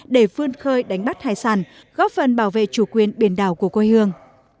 để vươn khơi đánh bắt hải sản góp phần bảo vệ chủ quyền biển đảo của quê hương